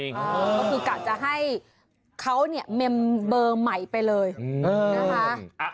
ก็คือกะจะให้เขาเนี่ยเมมเบอร์ใหม่ไปเลยนะคะ